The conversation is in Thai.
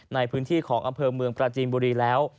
ในพื้นที่ของอำเภอเมืองปราจีนบุรีแล้ว